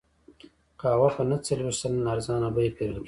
قهوه په نهه څلوېښت سلنه ارزانه بیه پېرل کېده.